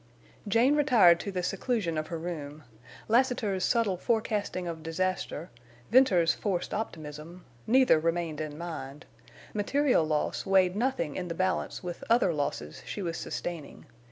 Jane retired to the seclusion of her room. Lassiter's subtle forecasting of disaster, Venters's forced optimism, neither remained in mind. Material loss weighed nothing in the balance with other losses she was sustaining.